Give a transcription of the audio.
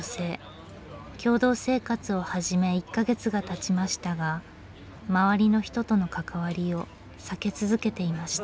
共同生活を始め１か月がたちましたが周りの人との関わりを避け続けていました。